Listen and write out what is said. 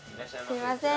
すいません。